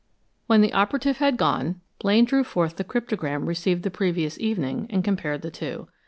When the operative had gone, Blaine drew forth the cryptogram received the previous evening and compared the two.